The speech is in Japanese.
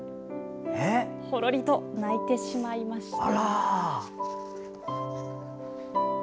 ほろりと泣いてしまいました。